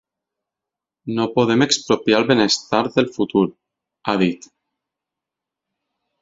No podem expropiar el benestar del futur, ha dit.